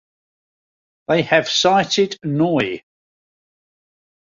They have cited Neu!